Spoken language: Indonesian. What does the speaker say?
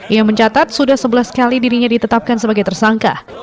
ia mencatat sudah sebelas kali dirinya ditetapkan sebagai tersangka